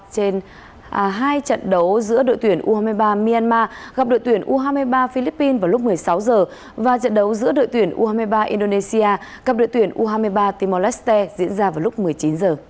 trên hai trận đấu giữa đội tuyển u hai mươi ba myanmar gặp đội tuyển u hai mươi ba philippines vào lúc một mươi sáu h và trận đấu giữa đội tuyển u hai mươi ba indonesia gặp đội tuyển u hai mươi ba timor leste diễn ra vào lúc một mươi chín h